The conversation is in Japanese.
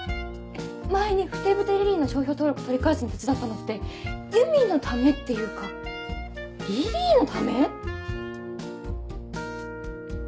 前に「ふてぶてリリイ」の商標登録取り返すの手伝ったのってゆみのためっていうかリリイのため？